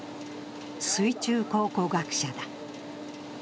水中考古学者だ。